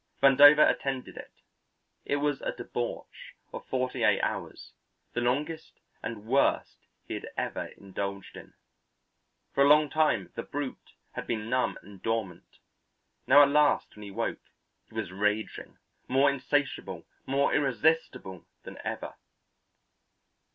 Vandover attended it. It was a debauch of forty eight hours, the longest and the worst he had ever indulged in. For a long time the brute had been numb and dormant; now at last when he woke he was raging, more insatiable, more irresistible than ever.